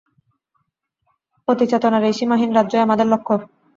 অতিচেতনার এই সীমাহীন রাজ্যই আমাদের লক্ষ্য।